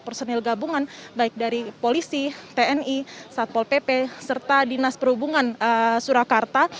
personil gabungan baik dari polisi tni satpol pp serta dinas perhubungan surakarta